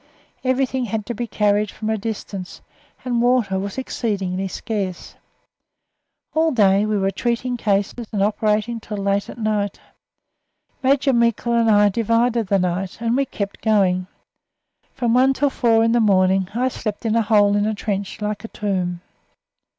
Everything had to be carried from a distance, and water was exceedingly scarce. All day we were treating cases and operating until late at night. Major Meikle and I divided the night, and we were kept going. From one until four in the morning I slept in a hole in a trench like a tomb.